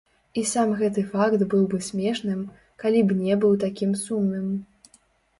І сам гэты факт быў бы смешным, калі б не быў такім сумным.